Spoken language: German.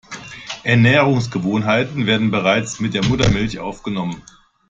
Ernährungsgewohnheiten werden bereits mit der Muttermilch aufgenommen.